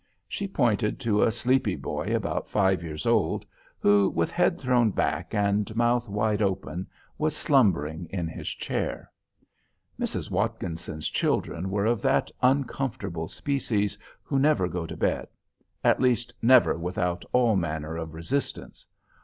She pointed to a sleepy boy about five years old, who with head thrown back and mouth wide open, was slumbering in his chair. Mrs. Watkinson's children were of that uncomfortable species who never go to bed; at least never without all manner of resistance.